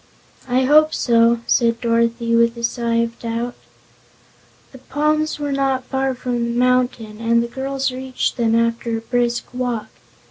"I hope so," said Dorothy with a sigh of doubt The palms were not far from the mountain and the girls reached them after a brisk walk.